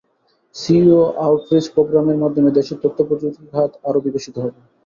CEO outreach প্রোগ্রামের মাধ্যমে দেশের তথ্যপ্রযুক্তি খাত আরও বিকশিত হবে।